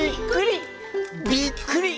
「びっくり！